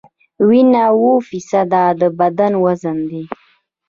وینه اووه فیصده د بدن وزن ده.